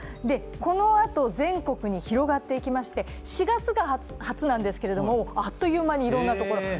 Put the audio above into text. このあと、全国に広がっていきまして４月が初なんですけれども、あっという間にいろんなところで。